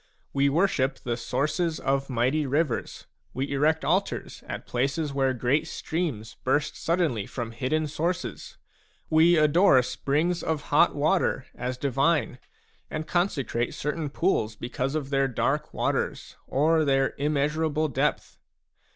We worship the sources of mighty rivers ; we erect altars at places where great streams burst suddenly from hidden sources ; we adore springs of hot water as divine, and consecrate certain pools because of their dark waters or their immeasurable depth.